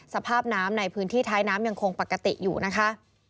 สภาพน้ำในพื้นที่ท้ายน้ำยังคงปกติอยู่นะคะ